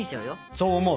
そう思う。